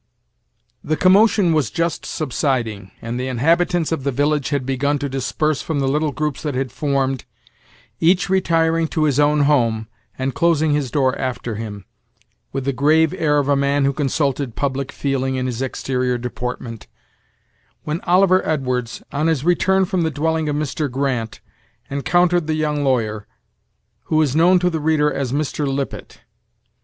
The commotion was just subsiding, and the inhabitants of the village had begun to disperse from the little groups that had formed, each retiring to his own home, and closing his door after him, with the grave air of a man who consulted public feeling in his exterior deportment, when Oliver Edwards, on his return from the dwelling of Mr. Grant, encountered the young lawyer, who is known to the reader as Mr. Lippet.